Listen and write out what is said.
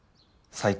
最高！